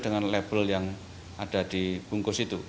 dengan label yang ada di bungkus itu